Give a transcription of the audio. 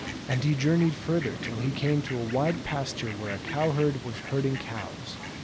And he journeyed further till he came to a wide pasture where a cow herd was herding cows.